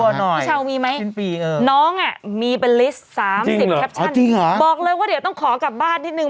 พี่เช้ามีไหมน้องอ่ะมีเป็นลิสต์๓๐แคปชั่นบอกเลยว่าเดี๋ยวต้องขอกลับบ้านนิดนึง